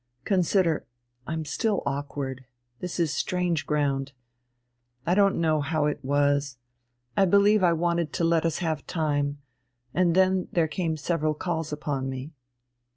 Consider, I'm still awkward ... this is strange ground. I don't know how it was.... I believe I wanted to let us have time. And then there came several calls upon me."